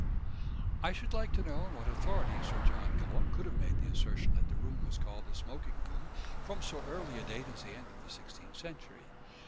I should like to know on what authority Sir John Cullum could have made the assertion that the room was called the smoking room from so early a date as the end of the sixteenth century.